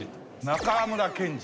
中村賢治。